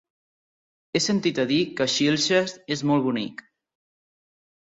He sentit a dir que Xilxes és molt bonic.